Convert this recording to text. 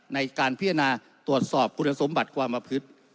ในการพิจารณาตรวจสอบคุณสมบัติความประพฤติ